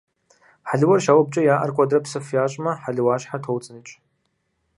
Хьэлыуэр щаубэкӏэ я ӏэр куэдрэ псыф ящӏмэ, хьэлыуащхьэр тоуцӏыныкӏ.